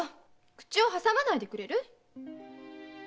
口を挟まないでくれる？